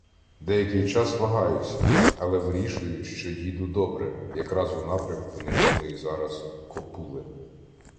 Деякий час вагаюся, але вирішую, що їду добре, якраз у напрямку невидної зараз копули.